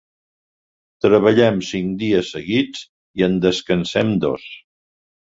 Treballem cinc dies seguits i en descansem dos.